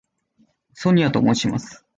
ソニアと申します。